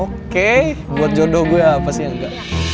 oke buat jodoh gue apa sih yang engga